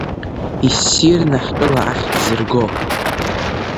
Иссирны ҳтәыла ахьӡ зырго…